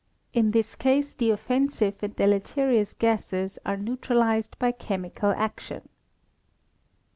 In this case the offensive and deleterious gases are neutralized by chemical action.